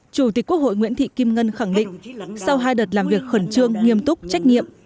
chủ tịch quốc hội nguyễn thị kim ngân khẳng định sau hai đợt làm việc khẩn trương nghiêm túc trách nhiệm